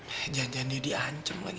jangan jangan dia diancam lagi